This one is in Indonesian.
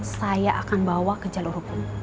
saya akan bawa ke jalur hukum